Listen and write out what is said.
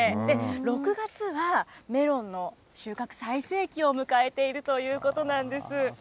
６月はメロンの収穫最盛期を迎えているということなんです。